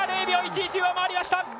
０秒１１、上回りました！